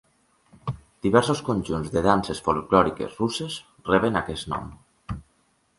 Diversos conjunts de danses folklòriques russes reben aquest nom.